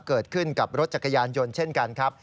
เกิดขึ้นกับรถจักรยานยนต์เช่นกันครับ